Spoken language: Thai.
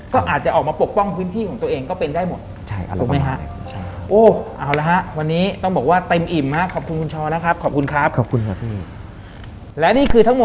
ก็อาจจะออกมาปกป้องพื้นที่ของตัวเอง